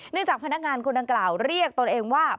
เนื่องจากพนักงานคนนั้นกล่าวเรียกตนเองว่า